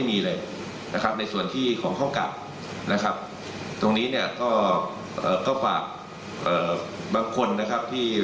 เพราะฉะนั้นตรงนี้ผมว่ามันไม่เป็นผลดี